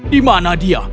di mana dia